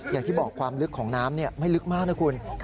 อย่างที่บอกความลึกของน้ำไม่ลึกมากนะคุณ